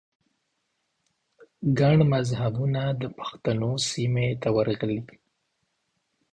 ګڼ مذهبونه د پښتنو سیمې ته ورغلي